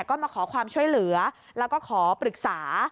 ก็มาขอความช่วยเหลือแล้วก็ขอปรึกษา